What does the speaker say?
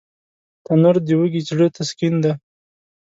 تنور د وږي زړه تسکین دی